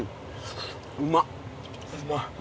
うまっ。